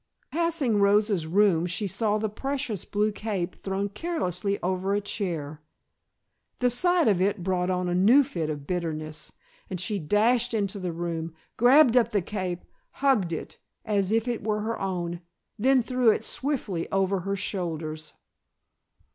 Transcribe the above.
Passing Rosa's room she saw the precious blue cape thrown carelessly over a chair. The sight of it brought on a new fit of bitterness, and she dashed into the room, grabbed up the cape, hugged it, as if it were her own, then threw it swiftly over her shoulders.